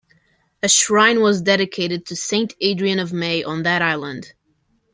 A shrine was dedicated to Saint Adrian of May on that island.